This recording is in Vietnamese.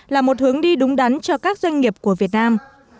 là một hướng đi đúng đắn cho các doanh nghiệp của việt nam